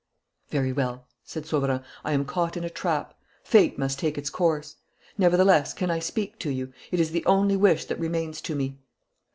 "Very well," said Sauverand. "I am caught in a trap. Fate must take its course. Nevertheless, can I speak to you? It is the only wish that remains to me."